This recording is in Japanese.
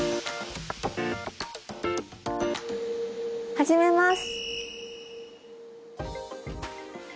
始めます。